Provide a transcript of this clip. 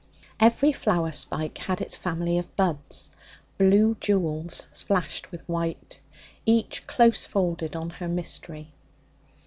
Every flower spike had its family of buds, blue jewels splashed with white, each close folded on her mystery.